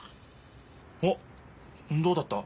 おっどうだった？